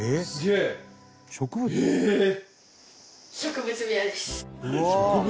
えっ！